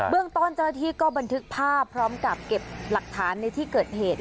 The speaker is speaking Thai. เรื่องต้นเจ้าหน้าที่ก็บันทึกภาพพร้อมกับเก็บหลักฐานในที่เกิดเหตุ